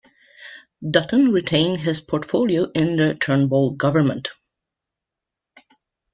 Dutton retained his portfolio in the Turnbull Government.